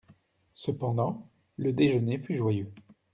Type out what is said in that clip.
Cependant, le déjeuner fut joyeux.